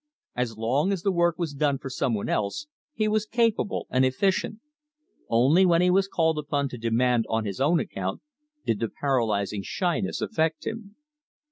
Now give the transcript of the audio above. As long as the work was done for someone else, he was capable and efficient. Only when he was called upon to demand on his own account, did the paralyzing shyness affect him.